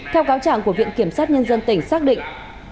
theo cáo trạng của viện kiểm sát nhân dân tỉnh xác định